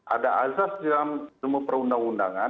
ada azas di dalam semua perundang undangan